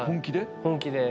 本気で？